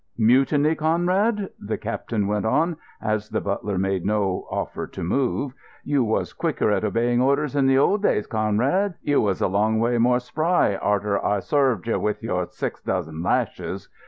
Mutiny, Conrad?" the captain went on, as the butler made no offer to move. "You was quicker at obeying orders in the old days, Conrad. You was a long way more spry arter I sarved you with your six dozen lashes.